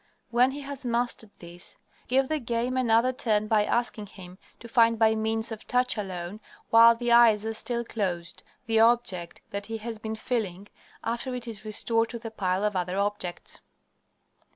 When he has mastered this, give the game another turn by asking him to find by means of touch alone, while the eyes are still closed, the object that he has been feeling, after it is restored to the pile of other objects.